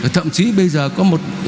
thậm chí bây giờ có một